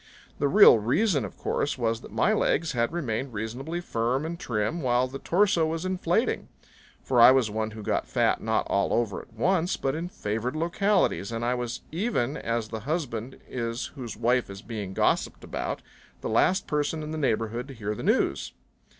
The real reason of course was that my legs had remained reasonably firm and trim while the torso was inflating. For I was one who got fat not all over at once but in favored localities. And I was even as the husband is whose wife is being gossiped about the last person in the neighborhood to hear the news.